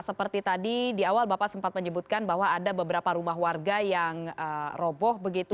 seperti tadi di awal bapak sempat menyebutkan bahwa ada beberapa rumah warga yang roboh begitu